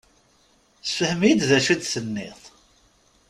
Sefhem-iyi-d d acu i d-tenniḍ.